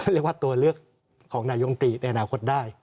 เรียกว่าตัวเลือกของนายมตรีในอนาคตได้